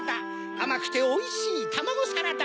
あまくておいしいたまごサラダ。